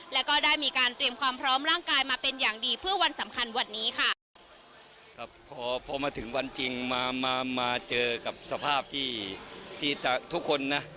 แล้วก็ได้มีการเตรียมความพร้อมร่างกายมาเป็นอย่างดีเพื่อวันสำคัญวันนี้ค่ะครับพอพอมาถึงวันจริงมามาเจอกับสภาพที่ที่จะทุกคนนะ